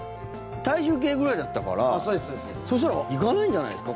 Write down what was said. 体重計ぐらいだったからそしたら行かないんじゃないですか？